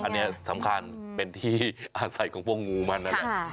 อันนี้สำคัญเป็นที่อาศัยของพวกงูมัน